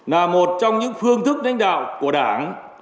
là một trong những phương thức đánh đạo của đảng